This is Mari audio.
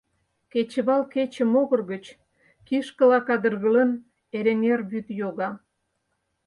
Кечывал кече могыр гыч, кишкыла кадыргылын, Эреҥер вӱд йога.